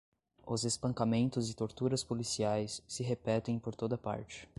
os espancamentos e torturas policiais se repetem por toda parte